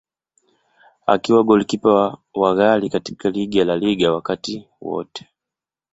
Akiwa golikipa wa ghali katika ligi ya La Liga wakati wote.